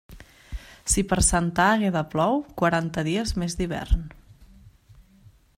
Si per Santa Àgueda plou, quaranta dies més d'hivern.